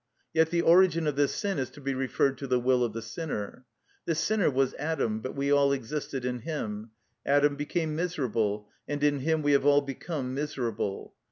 Yet the origin of this sin is to be referred to the will of the sinner. This sinner was Adam, but we all existed in him; Adam became miserable, and in him we have all become miserable.